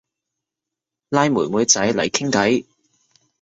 拉妹妹仔嚟傾偈